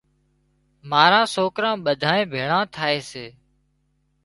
ماران سوڪران ٻڌانئين ڀيۯان ٿائي سي۔